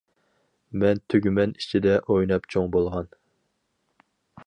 مەن تۈگمەن ئىچىدە ئويناپ چوڭ بولغان.